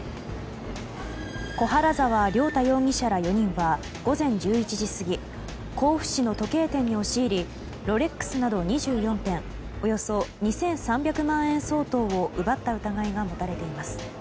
小原澤亮太容疑者ら４人は午前１１時過ぎ甲府市の時計店に押し入りロレックスなど２４点およそ２３００万円相当を奪った疑いが持たれています。